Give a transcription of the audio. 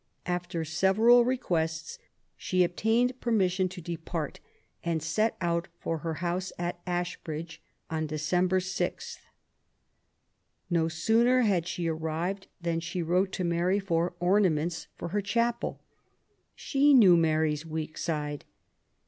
After several requests, she obtained permission to de part and set out for her house of Ashbridge, on December 6. No sooner had she arrived than she wrote to Mary for ornaments for her chapel. She knew Mary's weak side.